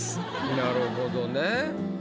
なるほどね。